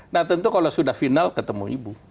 nah tentu kalau sudah final ketemu ibu